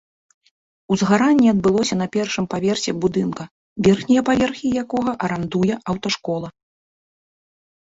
Узгаранне адбылося на першым паверсе будынка, верхнія паверхі якога арандуе аўташкола.